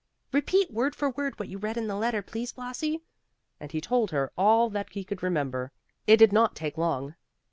"Repeat word for word what you read in the letter, please, Blasi," and he told her all that he could remember. It did not take long.